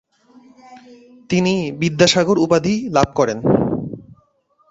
তিনি 'বিদ্যাসাগর' উপাধি লাভ করেন।